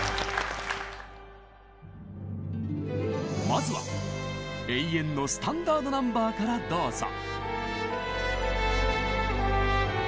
まずは永遠のスタンダード・ナンバーからどうぞ！